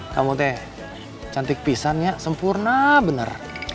kamu teh cantik pisannya sempurna bener